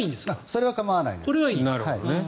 それは構わないです。